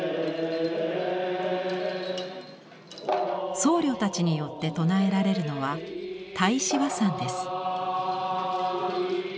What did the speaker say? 僧侶たちによって唱えられるのは太子和讃です。